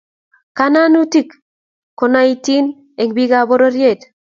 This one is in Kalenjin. Kananutik ko naotin eng bik ab pororiet